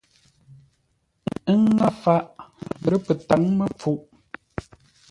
Ə́ ŋə́ faʼ lə̂ pətǎŋ-məpfuʼ.